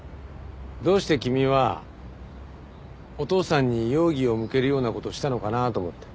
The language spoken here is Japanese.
どうして君はお父さんに容疑を向けるような事をしたのかなと思って。